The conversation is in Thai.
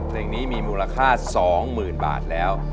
เพลงนี้มีมูลค่า๒๐๐๐บาทแล้ว